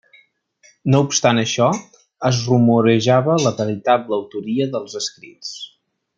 No obstant això, es rumorejava la veritable autoria dels escrits.